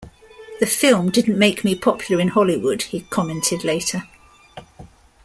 "The film didn't make me popular in Hollywood," he commented later.